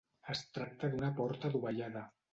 Es tracta d'una porta adovellada.